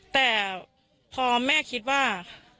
แต่พอแม่คิดว่า